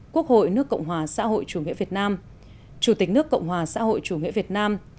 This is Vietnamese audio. quốc hội nước cộng hòa xã hội chủ nghĩa việt nam chủ tịch nước cộng hòa xã hội chủ nghĩa việt nam